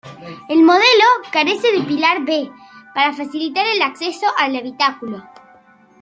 El modelo carece de pilar B, para facilitar el acceso al habitáculo.